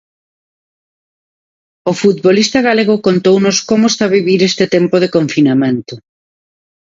O futbolista galego contounos como está a vivir este tempo de confinamento.